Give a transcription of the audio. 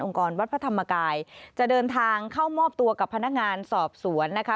กรวัดพระธรรมกายจะเดินทางเข้ามอบตัวกับพนักงานสอบสวนนะคะ